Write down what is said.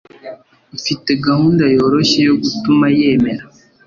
Mfite gahunda yoroshye yo gutuma yemera.